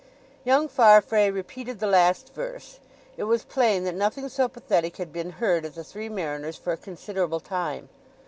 Young Farfrae repeated the last verse. It was plain that nothing so pathetic had been heard at the Three Mariners for a considerable time.